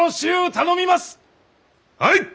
はい！